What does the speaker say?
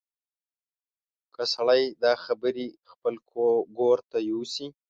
که سړی دا خبرې خپل ګور ته یوسي.